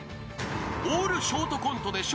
［オールショートコントで笑